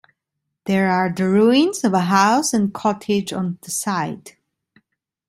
There are the ruins of a house and cottage on the site.